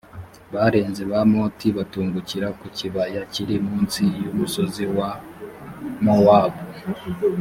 barenze bamoti batungukira ku kibaya kiri mu nsi y’umusozi wa mowabu.